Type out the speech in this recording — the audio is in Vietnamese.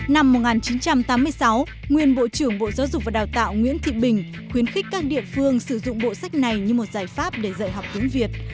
năm một nghìn chín trăm tám mươi sáu nguyên bộ trưởng bộ giáo dục và đào tạo nguyễn thị bình khuyến khích các địa phương sử dụng bộ sách này như một giải pháp để dạy học tiếng việt